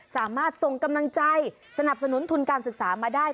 สามารถส่งกำลังใจสนับสนุนทุนการศึกษามาได้